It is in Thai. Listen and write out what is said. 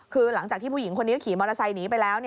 คือหลังจากที่ผู้หญิงคนนี้ก็ขี่มอเตอร์ไซค์หนีไปแล้ว